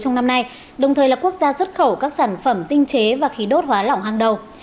trong năm nay đồng thời là quốc gia xuất khẩu các sản phẩm tinh chế và khí đốt hóa lỏng hàng đầu